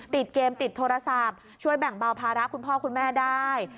ติดเกมติดโทรศัพท์ช่วยแบ่งเบาภาระคุณพ่อคุณแม่ได้